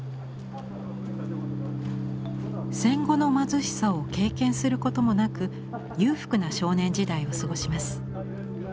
戦後の貧しさを経験することもなく裕福な少年時代を過ごします。